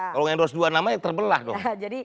kalau endorse dua nama ya terbelah dong